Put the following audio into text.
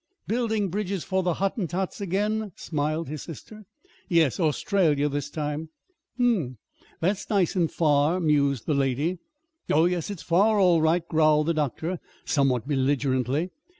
"Building bridges for the Hottentots again?" smiled his sister. "Yes. Australia this time." "Hm m; that's nice and far," mused the lady. "Oh, yes, it's far, all right," growled the doctor, somewhat belligerently.